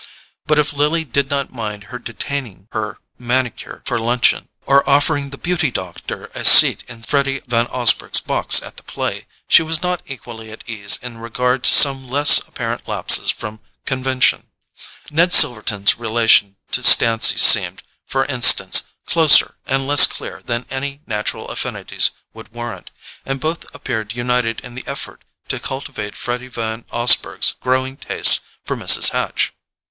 But if Lily did not mind her detaining her manicure for luncheon, or offering the "Beauty Doctor" a seat in Freddy Van Osburgh's box at the play, she was not equally at ease in regard to some less apparent lapses from convention. Ned Silverton's relation to Stancy seemed, for instance, closer and less clear than any natural affinities would warrant; and both appeared united in the effort to cultivate Freddy Van Osburgh's growing taste for Mrs. Hatch.